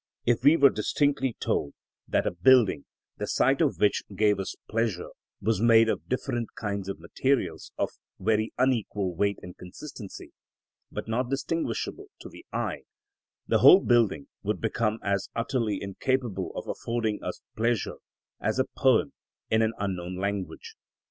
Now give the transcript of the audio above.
If we were distinctly told that a building, the sight of which gave us pleasure, was made of different kinds of material of very unequal weight and consistency, but not distinguishable to the eye, the whole building would become as utterly incapable of affording us pleasure as a poem in an unknown language.